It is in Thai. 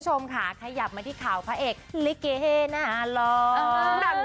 คุณผู้ชมค่ะขยับมาที่ข่าวพระเอกลิเกน่าร้อน